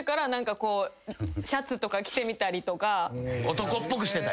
男っぽくしてた？